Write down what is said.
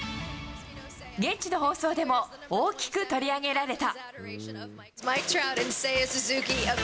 現地の放送でも大きく取り上げられた。